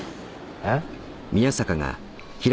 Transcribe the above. えっ？